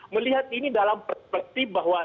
melihat ini dalam perspektif bahwa